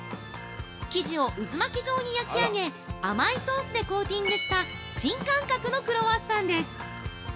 生地を渦巻き状に焼き上げ甘いソースでコーティングした新感覚のクロワッサンです！